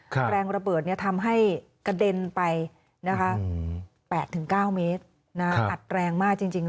แรงระเบิดทำให้กระเด็นไปนะคะ๘๙เมตรอัดแรงมากจริง